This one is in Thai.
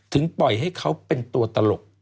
ปล่อยให้เขาเป็นตัวตลก